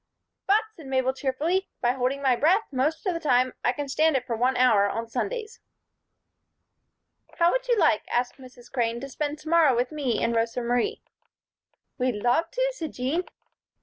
"But," said Mabel, cheerfully, "by holding my breath most of the time I can stand it for one hour on Sundays." "How would you like," asked Mrs. Crane, "to spend to morrow with me and Rosa Marie?" "We'd love to," said Jean.